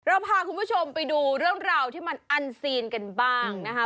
พาคุณผู้ชมไปดูเรื่องราวที่มันอันซีนกันบ้างนะคะ